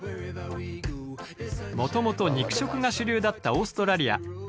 もともと肉食が主流だったオーストラリア。